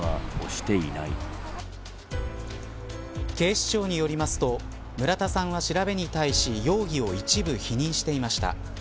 警視庁によりますと村田さんは調べに対し容疑を一部否認していました。